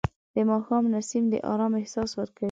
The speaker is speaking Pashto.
د ماښام نسیم د آرام احساس ورکوي